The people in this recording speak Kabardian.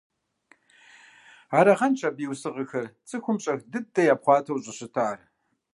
Арагъэнщ абы и усыгъэхэр цӀыхубэм щӀэх дыдэ япхъуатэу щӀыщытар.